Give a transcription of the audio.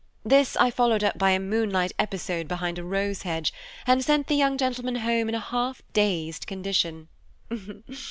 This I followed up by a moonlight episode behind a rose hedge, and sent the young gentleman home in a half dazed condition.